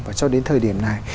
và cho đến thời điểm này